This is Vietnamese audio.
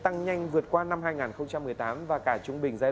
tăng năm mươi bảy ổ dịch so với năm ngoái